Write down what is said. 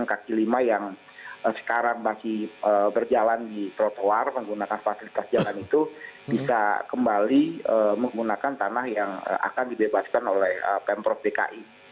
kaki lima yang sekarang masih berjalan di trotoar menggunakan fasilitas jalan itu bisa kembali menggunakan tanah yang akan dibebaskan oleh pemprov dki